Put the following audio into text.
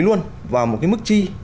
luôn vào một cái mức chi